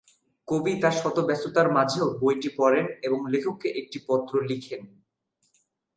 কবি তাঁর শত ব্যস্ততার মাঝেও বইটি পড়েন এবং লেখককে একটি পত্র লিখেন।